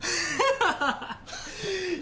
ハハハッ。